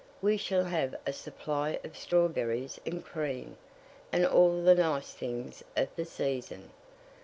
We shall have a supply of strawberries and cream, and all the nice things of the season.